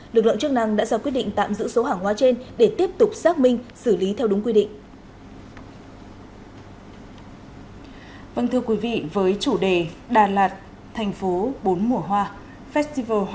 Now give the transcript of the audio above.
lực lượng chức năng đã ra quyết định tạm giữ số hàng hóa trên để tiếp tục xác minh xử lý theo đúng quy định